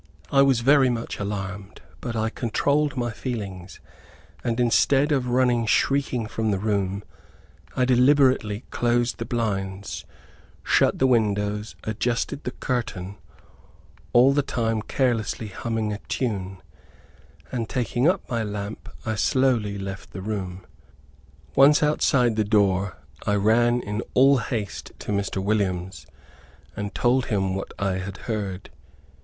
I was very much alarmed, but I controlled my feelings, and instead of running shrieking from the room, I deliberately closed the blinds, shut the windows, adjusted the curtain, all the time carelessly humming a tune, and taking up my lamp I slowly left the room. Once outside the door, I ran in all haste to Mr. Williams, and told him what I had heard.